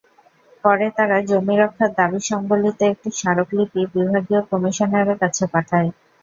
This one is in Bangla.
পরে তারা জমি রক্ষার দাবিসংবলিত একটি স্মারকলিপি বিভাগীয় কমিশনারের কাছে পাঠায়।